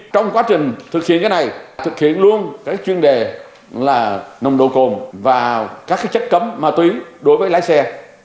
trong quá trình thực hiện cái này thực hiện luôn cái chuyên đề là nồng độ cồn và các chất cấm ma túy đối với lái xe